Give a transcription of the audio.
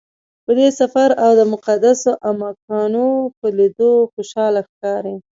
په دې سفر او د مقدسو اماکنو په لیدلو خوشحاله ښکاري.